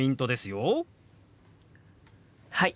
はい！